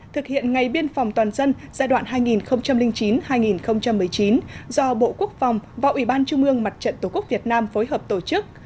thực hiện ngày biên phòng toàn dân giai đoạn hai nghìn chín hai nghìn một mươi chín do bộ quốc phòng và ủy ban trung ương mặt trận tổ quốc việt nam phối hợp tổ chức